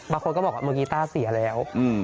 บาคนก็บอกว่าเมื่อกีตาร์เสียแล้วอืม